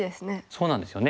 そうなんですよね。